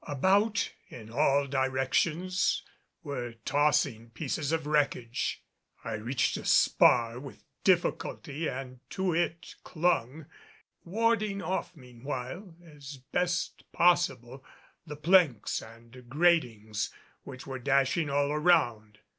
About, in all directions, were tossing pieces of the wreckage. I reached a spar with difficulty and to it clung, warding off meanwhile as best possible the planks and gratings which were dashing all around.